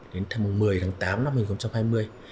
đến ngày một mươi tháng tám năm hai nghìn hai mươi